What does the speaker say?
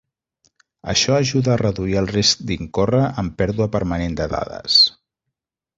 Això ajuda a reduir el risc d'incórrer en pèrdua permanent de dades.